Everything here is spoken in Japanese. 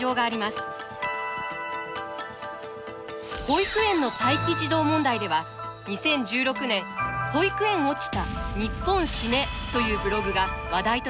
保育園の待機児童問題では２０１６年「保育園落ちた日本死ね！！！」というブログが話題となりました